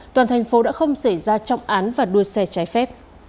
toàn thành phố đã không xảy ra trọng án và đua xe trái phép